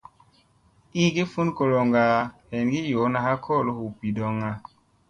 Igi fun goloŋga heengi yoona ha kolo hu bidoŋga.